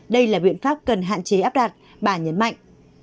đây là biện pháp cần hạn chế áp đặt bà nhấn mạnh